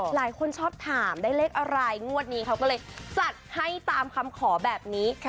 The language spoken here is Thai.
หลายคนชอบถามได้เลขอะไรงวดนี้เขาก็เลยจัดให้ตามคำขอแบบนี้